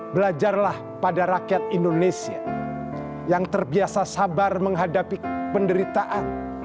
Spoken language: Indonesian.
belajarlah pada rakyat indonesia yang terbiasa sabar menghadapi penderitaan